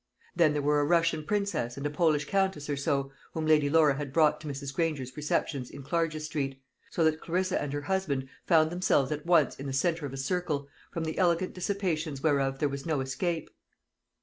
Then there were a Russian princess and a Polish countess or so, whom Lady Laura had brought to Mrs. Granger's receptions in Clarges street: so that Clarissa and her husband found themselves at once in the centre of a circle, from the elegant dissipations whereof there was no escape.